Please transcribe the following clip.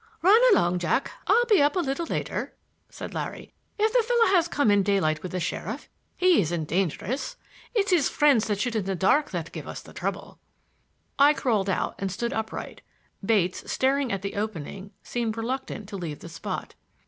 "Run along, Jack,—I'll be up a little later," said Larry. "If the fellow has come in daylight with the sheriff, he isn't dangerous. It's his friends that shoot in the dark that give us the trouble." I crawled out and stood upright. Bates, staring at the opening, seemed reluctant to leave the spot.